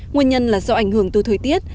nguyên nhân là do ảnh hưởng từ thời tiết